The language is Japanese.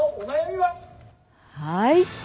はい。